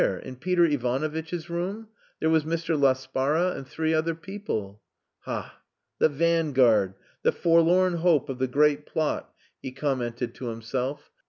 In Peter Ivanovitch's rooms? There was Mr. Laspara and three other people." "Ha! The vanguard the forlorn hope of the great plot," he commented to himself.